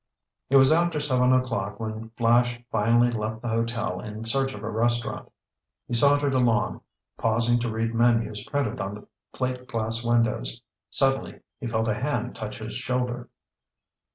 It was after seven o'clock when Flash finally left the hotel in search of a restaurant. He sauntered along, pausing to read menus printed on the plate glass windows. Suddenly he felt a hand touch his shoulder.